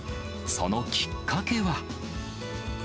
そのきっかけは。